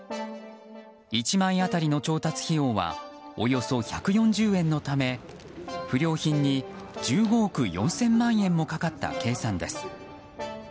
１枚当たりの調達費用はおよそ１４０円のため不良品に１５億４０００万円もかかった計算です。